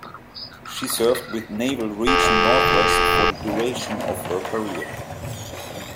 She served with Naval Region Northwest for the duration of her career.